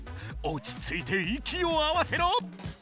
おちついていきを合わせろ！